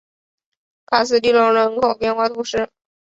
卡斯蒂隆人口变化图示